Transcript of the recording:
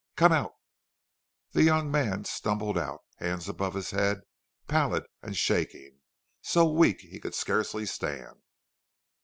"Come out!" The young man stumbled out, hands above his head, pallid and shaking, so weak he could scarcely stand.